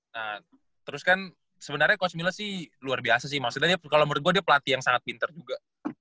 nah terus kan sebenarnya coach miles sih luar biasa sih maksudnya kalau menurut gue dia pelatih yang sangat pinter juga